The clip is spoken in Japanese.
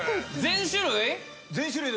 全種類？